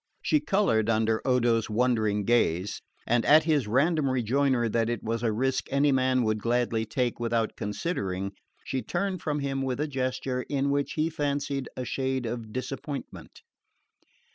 She coloured under Odo's wondering gaze, and at his random rejoinder that it was a risk any man would gladly take without considering, she turned from him with a gesture in which he fancied a shade of disappointment.